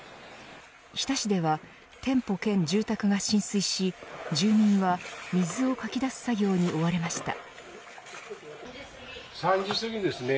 日田市では店舗兼住宅が浸水し住民は水をかき出す作業に追われました。